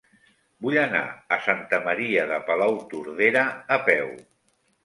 Vull anar a Santa Maria de Palautordera a peu.